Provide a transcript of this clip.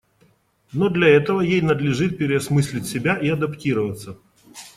Но для этого ей надлежит переосмыслить себя и адаптироваться.